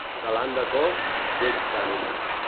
Galant de cos, lleig d'ànima.